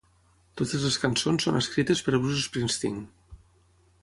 Totes les cançons són escrites per Bruce Springsteen.